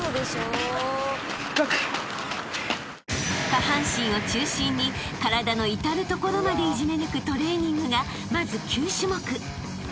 ［下半身を中心に体のいたるところまでいじめ抜くトレーニングがまず９種目］